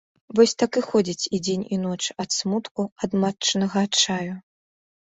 Вось так і ходзіць і дзень і ноч, ад смутку, ад матчынага адчаю.